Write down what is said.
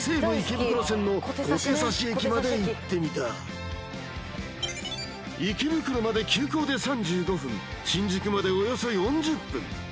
池袋線の小手指駅まで行ってみた池袋まで急行で３５分新宿までおよそ４０分